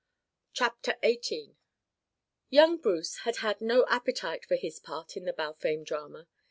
CHAPTER XVIII Young Bruce had had no appetite for his part in the Balfame drama.